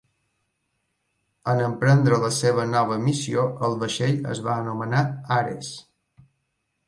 En emprendre la seva nova missió, el vaixell es va anomenar "Ares".